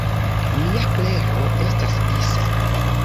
Mia klero estas disa.